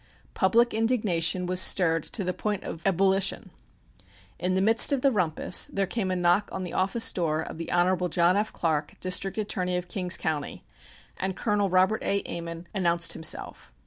Public indignation was stirred to the point of ebullition. In the midst of the rumpus, there came a knock on the office door of the Hon. John F. Clark, District Attorney of King's County, and Col. Robert A. Ammon announced himself.